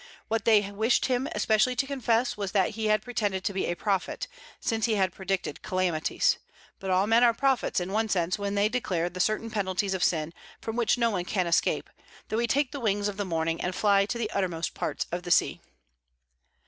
What they wished him especially to confess was that he had pretended to be a prophet, since he had predicted calamities. But all men are prophets, in one sense, when they declare the certain penalties of sin, from which no one can escape, though he take the wings of the morning and fly to the uttermost parts of the sea.